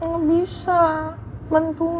gak bisa mentuhin